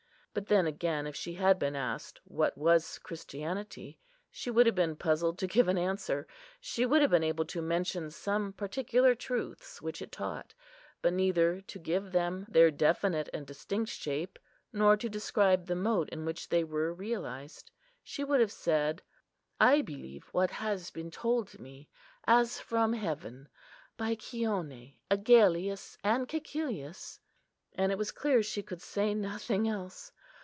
But then again, if she had been asked, what was Christianity, she would have been puzzled to give an answer. She would have been able to mention some particular truths which it taught, but neither to give them their definite and distinct shape, nor to describe the mode in which they were realised. She would have said, "I believe what has been told me, as from heaven, by Chione, Agellius, and Cæcilius:" and it was clear she could say nothing else.